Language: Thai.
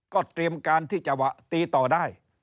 ก็เตรียมการที่จะตีต่อได้